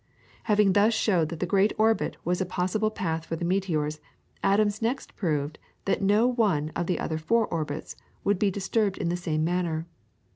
Having thus showed that the great orbit was a possible path for the meteors, Adams next proved that no one of the other four orbits would be disturbed in the same manner.